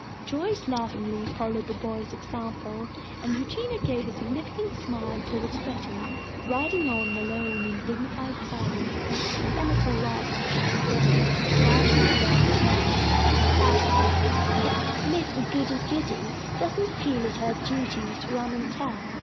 Joyce laughingly followed the boys' example, and Eugenia gave a significant smile toward Betty, riding on alone in dignified silence. "Then it is all right," she exclaimed, loud enough for her to hear, "that is, if Miss Goody goody doesn't feel it her duty to run and tell."